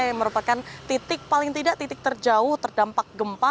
yang merupakan titik paling tidak titik terjauh terdampak gempa